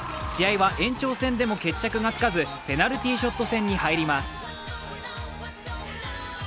試合は延長戦でも決着がつかずペナルティーショット戦に入ります。